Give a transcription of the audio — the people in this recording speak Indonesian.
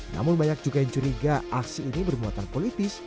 namun banyak juga yang curiga aksi ini bermuatan politis